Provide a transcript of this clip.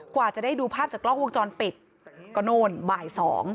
กว่าจะได้ดูภาพจากกล้องวงจรปิดก็โน่นบ่าย๒